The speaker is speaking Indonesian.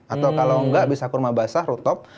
atau kalau nggak bisa kurma basah rutop